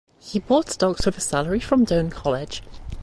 He bought stocks with his salary from Doane College.